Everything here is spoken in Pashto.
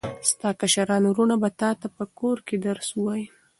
ستا کشران وروڼه به تاته په کور کې درس ووایي.